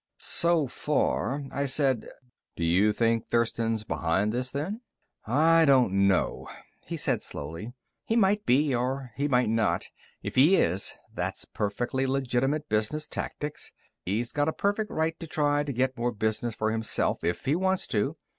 "So far," I said. "Do you think Thurston's behind this, then?" "I don't know," he said slowly. "He might be, or he might not. If he is, that's perfectly legitimate business tactics. He's got a perfect right to try to get more business for himself if he wants to.